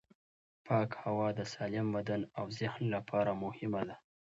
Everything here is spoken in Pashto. پاکه هوا د سالم بدن او ذهن لپاره مهمه ده.